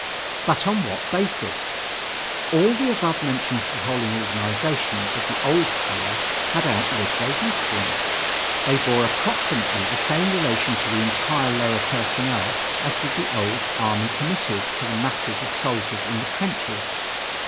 But on what basis? All the above mentioned controlling organizations of the old period had outlived their usefulness. They bore approximately the same relation to the entire lower personnel as did the old army committees to the masses of soldiers in the trenches.